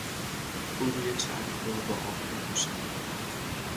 او روی چرخ را با آهن پوشاند.